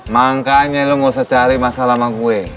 makanya lo gak usah cari masalah sama gue